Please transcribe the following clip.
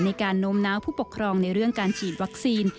โน้มน้าวผู้ปกครองในเรื่องการฉีดวัคซีน